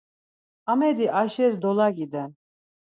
Amedi Ayşes dolaǩiden.